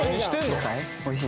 おいしい？